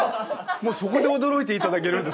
もうそこで驚いていただけるんですか？